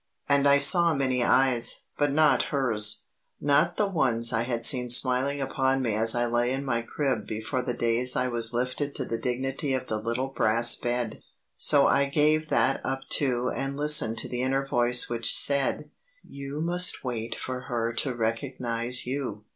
And I saw many eyes, but not hers; not the ones I had seen smiling upon me as I lay in my crib before the days I was lifted to the dignity of the little brass bed. So I gave that up too and listened to the inner voice which said, "You must wait for her to recognize you.